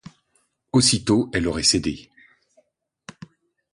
Aussitôt, elle aurait cédé.